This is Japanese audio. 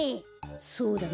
そうだな。